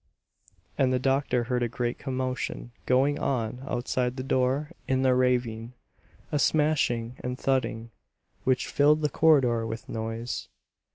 And the doctor heard a great commotion going on outside the door in the ravine; a smashing and thudding, which filled the corridor with noise.